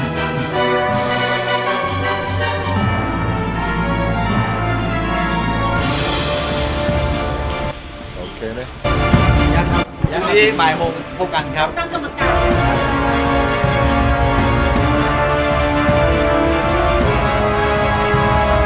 ทำรักษาภาพก็จะเสียพลิกเกี่ยว